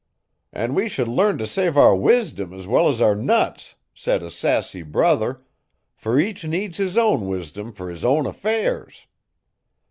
'"An' we should learn t' save our wisdom es well es our nuts," said a sassy brother; "fer each needs his own wisdom fer his own affairs."